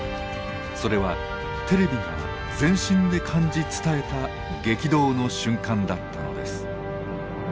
それはテレビが全身で感じ伝えた激動の瞬間だったのです。